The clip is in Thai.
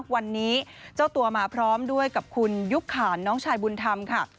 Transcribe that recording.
วันนี้เจ้าตัวมาพร้อมด้วยกับคุณยุคขานน้องชายบุญธรรมค่ะ